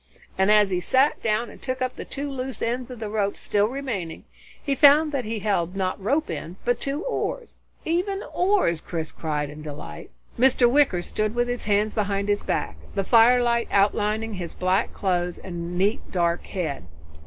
and as he sat down and took up the two loose ends of rope still remaining, he found that he held not rope ends but two oars. "Even oars!" Chris cried in delight. Mr. Wicker stood with his hands behind his back, the firelight outlining his black clothes and neat dark head.